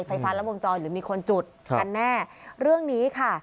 ไฟฟ้าและวงจรหรือมีคนจุดกันแน่เรื่องนี้ค่ะ